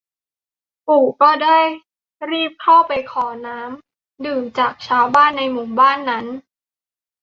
ปู่ก็ได้รีบเขาไปขอน้ำดื่มจากชาวบ้านในหมู่บ้านนั้น